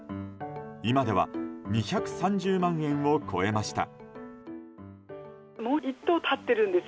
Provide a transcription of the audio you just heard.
今では２３０万円を超えました。